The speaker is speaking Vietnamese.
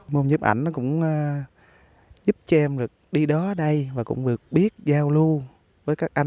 môn nhếp ảnh nó cũng giúp cho em được đi đó ở đây và cũng được biết giao lưu với các anh